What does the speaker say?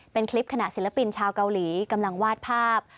เป็นคลิปขณะศิลปินชาวเกาหลีกำลังวาดภาพ